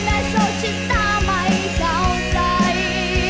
สุดท้ายและโชคชิตตาไม่เข้าใจ